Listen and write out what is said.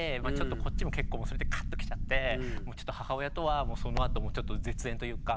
こっちも結構それでカッときちゃってちょっと母親とはそのあと絶縁というか